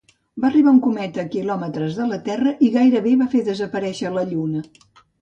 Va arribar un cometa a quilòmetres de la Terra i gairebé va fer desaparèixer la Lluna.